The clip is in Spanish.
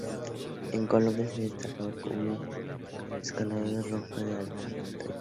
En Colombia se ha destacado como escalador de roca y alta montaña.